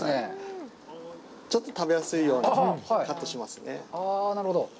ちょっと食べやすいようにカットしますね。